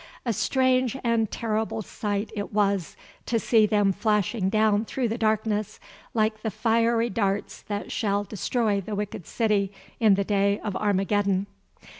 A strange and terrible sight it was to see them flashing down through the darkness, like the fiery darts that shall destroy the wicked in the day of Armageddon.